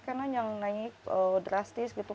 kalau kemb greedy berangkat ben dua lebih baik